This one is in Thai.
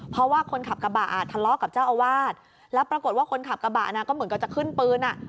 เพราะว่าคนขับกระบะทะเลาะกับเจ้าอาวาสแล้วปรากฏว่าคนขับกระบะนะก็เหมือนกับจะขึ้นปืนอ่ะ